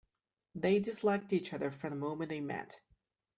They disliked each other from the moment they met.